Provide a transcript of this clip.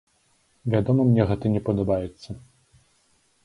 Вядома, мне гэта не падабаецца.